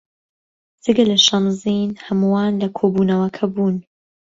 جگە لە شەمزین هەمووان لە کۆبوونەوەکە بوون.